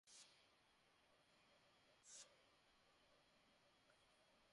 পাহাড়ে স্বাধিকার অর্জনের মধ্য দিয়ে নারীর মুক্তি অর্জন ছিল তাঁর স্বপ্ন।